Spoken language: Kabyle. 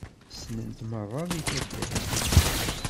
Ssnen-t merra deg taddart.